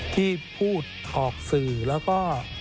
ที่พูดออกสื่อแล้วก็